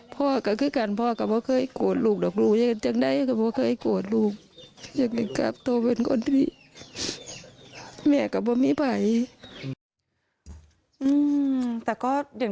ไม่เคยโกรธอะไรลูกเลย